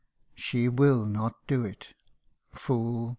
She will not do it Fool